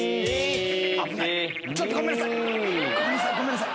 １！ちょっとごめんなさい。